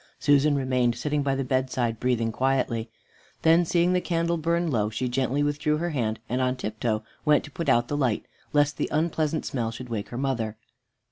Susan remained sitting by the bedside, breathing quietly. Then seeing the candle burn low, she gently withdrew her hand, and on tiptoe went to put out the light, lest the unpleasant smell should wake her mother.